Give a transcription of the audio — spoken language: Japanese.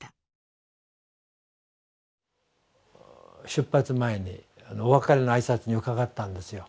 出発前にお別れの挨拶に伺ったんですよ。